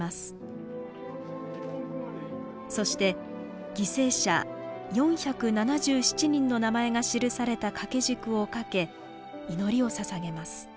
そして犠牲者４７７人の名前が記された掛け軸をかけ祈りをささげます。